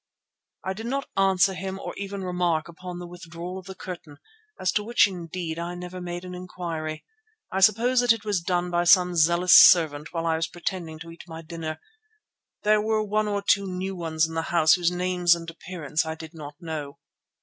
"I did not answer him, or even remark upon the withdrawal of the curtain, as to which indeed I never made an inquiry. I suppose that it was done by some zealous servant while I was pretending to eat my dinner—there were one or two new ones in the house whose names and appearance I did not know.